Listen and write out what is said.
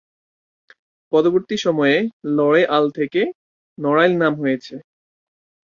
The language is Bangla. পরবর্তী সময়ে ‘লড়ে আল’ থেকে নড়াইল নাম হয়েছে।